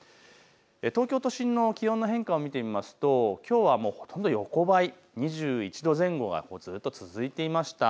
東京都心の気温の変化を見てみますときょうはほとんど横ばい、２１度前後がずっと続いていました。